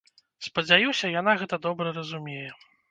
Спадзяюся, яна гэта добра разумее.